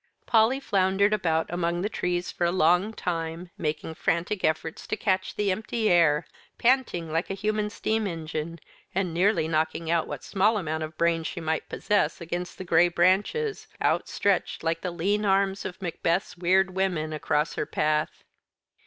Polly floundered about among the trees for a long time, making frantic efforts to catch the empty air, panting like a human steam engine, and nearly knocking out what small amount of brains she might possess against the gray branches, outstretched like the lean arms of Macbeth's weird women across her path.